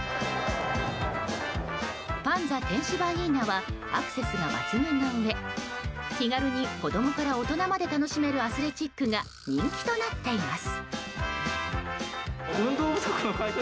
ＰＡＮＺＡてんしばイーナはアクセスが抜群のうえ気軽に子供から大人まで楽しめるアスレチックが人気となっています。